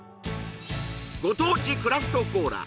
ご当地クラフトコーラ